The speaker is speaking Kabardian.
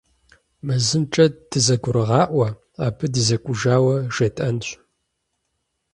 Мы зымкӀэ дызэгурыгъаӀуэ: абы дызэкӀужауэ жетӀэнщ.